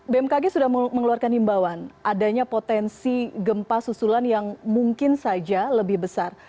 bmkg sudah mengeluarkan himbawan adanya potensi gempa susulan yang mungkin saja lebih besar